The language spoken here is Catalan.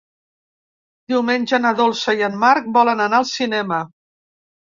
Diumenge na Dolça i en Marc volen anar al cinema.